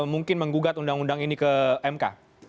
mungkin menggugat undang undang ini ke mk